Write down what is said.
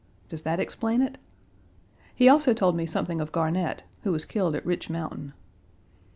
Does that explain it? He also told me something of Garnett (who was killed at Rich Mountain).